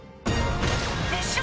熱唱！